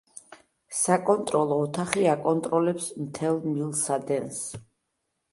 საკონტროლო ოთახი აკონტროლებს მთელ მილსადენს.